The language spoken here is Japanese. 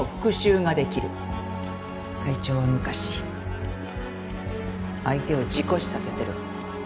会長は昔相手を事故死させてる。